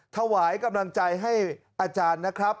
ถวายกำลังใจให้อาจารย์นะครับ